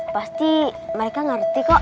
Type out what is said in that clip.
pasti mereka ngerti kak